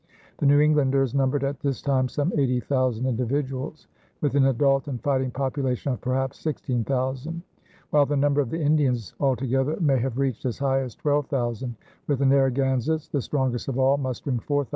The New Englanders numbered at this time some 80,000 individuals, with an adult and fighting population of perhaps 16,000; while the number of the Indians altogether may have reached as high as 12,000, with the Narragansetts, the strongest of all, mustering 4,000.